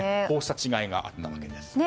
こうした違いがあったわけです。